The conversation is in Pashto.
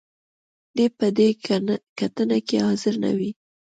دې به په دې کتنه کې حاضر نه وي.